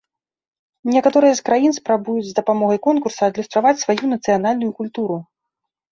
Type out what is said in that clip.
Некаторыя з краін спрабуюць з дапамогай конкурса адлюстраваць сваю нацыянальную культуру.